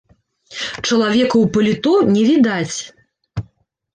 Чалавека ў паліто не відаць.